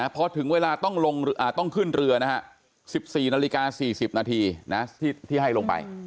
พอถึงเวลาต้องขึ้นเรือ๑๔นาฬิกา๔๐นาทีที่ให้ลงไป